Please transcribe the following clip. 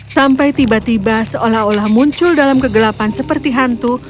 sampai tiba tiba seolah olah muncul dalam kegelapan seperti hantu